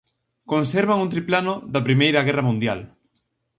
Conservan un triplano da primeira guerra mundial.